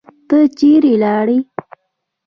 ته چیرې لاړې؟